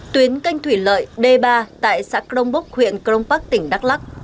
tuyến canh thủy lợi d ba tại xã crong bốc huyện crong park tỉnh đắk lắc